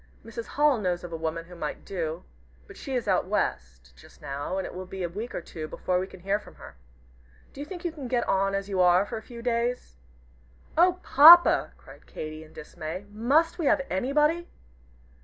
Mrs. Hall knows of a woman who might do, but she is out West, just now, and it will be a week or two before we can hear from her. Do you think you can get on as you are for a few days?" "Oh, Papa!" cried Katy, in dismay, "must we have anybody?"